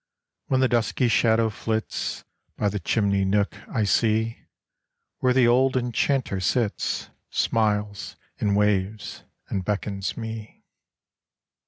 When the dusky shadow flits, By the chimney nook I see Where the old enchanter sits, Smiles, and waves, and beckons me.